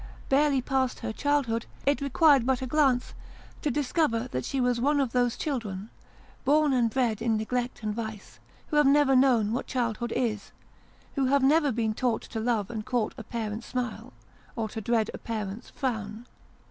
Barely past her childhood, it required but a glance to discover that she was one of those children, born and bred in neglect and vice, who have never known what childhood is : who have never been taught to love and court a parent's smile, or to dread a parent's frown.